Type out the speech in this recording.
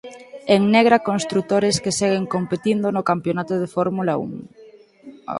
En negra Construtores que seguen competindo no campionato de Fórmula Un.